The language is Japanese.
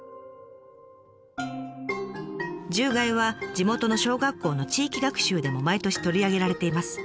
獣害は地元の小学校の地域学習でも毎年取り上げられています。